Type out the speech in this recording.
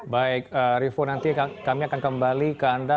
baik rivo nanti kami akan kembali ke anda